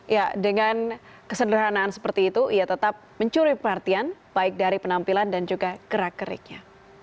ya dengan kesederhanaan seperti itu ia tetap mencuri perhatian baik dari penampilan dan juga gerak geriknya